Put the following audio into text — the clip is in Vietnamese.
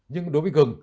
nhưng đối với gừng